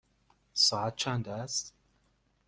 ساعت چند است؟